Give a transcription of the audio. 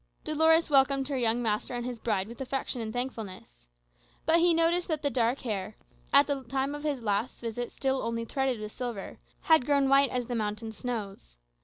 Dolores welcomed her young master and his bride with affection and thankfulness. But he noticed that the dark hair, at the time of his last visit still only threaded with silver, had grown white as the mountain snows.